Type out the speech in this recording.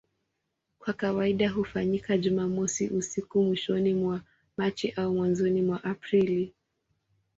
Kwa kawaida hufanyika Jumamosi usiku mwishoni mwa Machi au mwanzoni mwa Aprili.